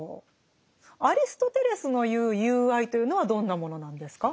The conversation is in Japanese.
アリストテレスの言う「友愛」というのはどんなものなんですか？